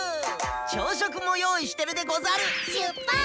朝食も用意してるでござる！